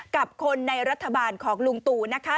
กับคนในรัฐบาลของลุงตู่นะคะ